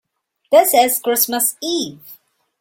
This is Christmas Eve.